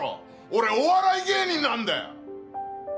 俺お笑い芸人なんだよ！